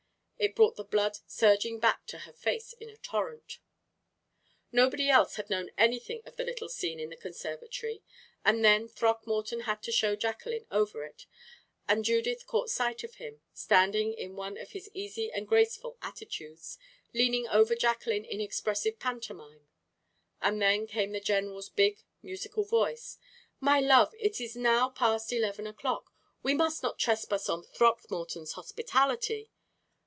It brought the blood surging back to her face in a torrent. Nobody else had known anything of the little scene in the conservatory; and then Throckmorton had to show Jacqueline over it, and Judith caught sight of him, standing in one of his easy and graceful attitudes, leaning over Jacqueline in expressive pantomime; and then came the general's big, musical voice: "My love, it is now past eleven o'clock; we must not trespass on Throckmorton's hospitality."